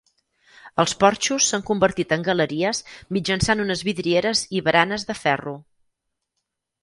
Els porxos s'han convertit en galeries mitjançant unes vidrieres i baranes de ferro.